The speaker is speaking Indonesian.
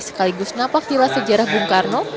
sekaligus napak tilas sejarah bung karno